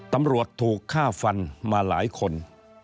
ตำรวจถูกฆ่าฟันมาหลายคน